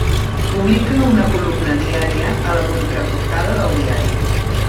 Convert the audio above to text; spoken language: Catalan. Publica una columna diària a la contraportada del diari.